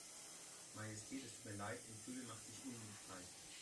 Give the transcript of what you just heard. Majestät es tut mir Leid, im Pöbel macht sich Unmut breit.